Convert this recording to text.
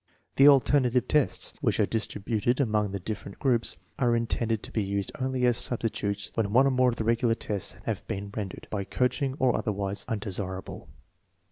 The alternative tests, which are distributed among the different groups, are intended to be used only as substitutes when one or more of the regular tests have been rendered, by coaching or otherwise, un desirable.